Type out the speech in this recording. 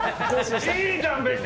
いいじゃん別に。